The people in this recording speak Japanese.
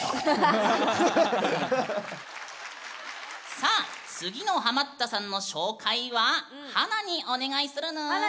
さあ次のハマったさんの紹介は華にお願いするぬん。